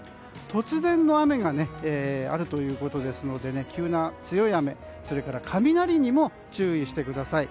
突然の雨があるということですので急な強い雨、それから雷にも注意してください。